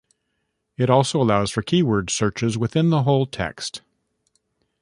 It also allows for keyword searches within the whole text.